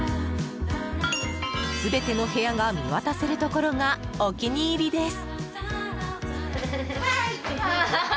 全ての部屋が見渡せるところがお気に入りです。